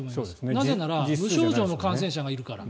なぜなら無症状の感染者がいるから。